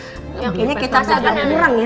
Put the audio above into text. kayaknya kita sedang ngurang ya